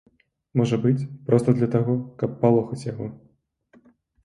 Можа быць, проста для таго, каб папалохаць яго.